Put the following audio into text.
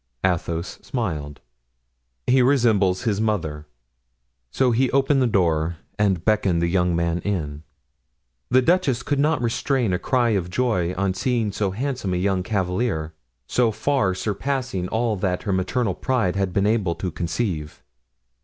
Athos smiled. "He resembles his mother." So he opened the door and beckoned the young man in. The duchess could not restrain a cry of joy on seeing so handsome a young cavalier, so far surpassing all that her maternal pride had been able to conceive.